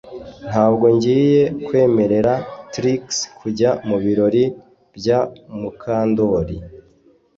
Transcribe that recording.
Ntabwo ngiye kwemerera Trix kujya mubirori bya Mukandoli